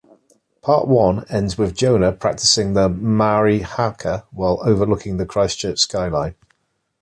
Part one ends with Jonah practising the Maori haka while overlooking the Christchurch skyline.